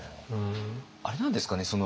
あれなんですかね？